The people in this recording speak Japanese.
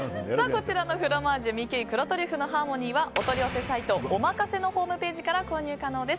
こちらのフロマージュ・ミ・キュイ黒トリュフのハーモニーはお取り寄せサイトＯＭＡＫＡＳＥのホームページから購入可能です。